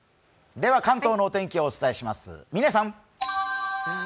では関東のお天気をお伝えします。